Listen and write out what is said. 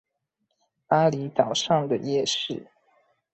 峇里島上的夜市